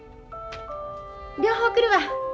両方送るわ。